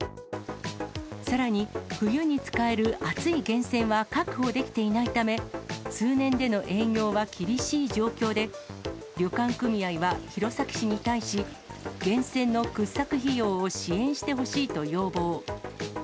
さらに冬に使える熱い源泉は確保できていないため、通年での営業は厳しい状況で、旅館組合は弘前市に対し、源泉の掘削費用を支援してほしいと要望。